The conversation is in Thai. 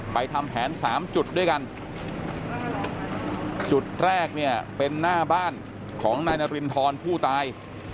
ทำแผนสามจุดด้วยกันจุดแรกเนี่ยเป็นหน้าบ้านของนายนารินทรผู้ตาย